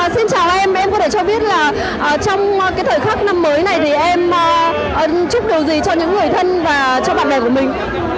xin chào em em có thể cho biết là trong cái thời khắc năm mới này thì em chúc điều gì cho những người thân và cho bạn bè của mình